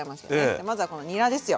じゃあまずはこのにらですよ。